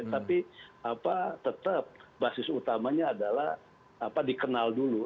tapi tetap basis utamanya adalah dikenal dulu